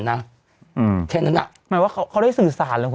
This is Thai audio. นะอืมแค่นั้นอ่ะหมายว่าเขาเขาได้สื่อสารหรือเปล่า